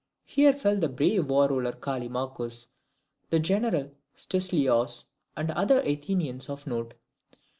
Here fell the brave War Ruler Callimachus, the general Stesilaus, and other Athenians of note.